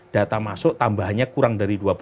data masuk tambahnya kurang dari dua